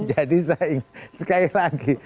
jadi saya sekali lagi